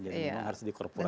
jadi memang harus dikorporasikan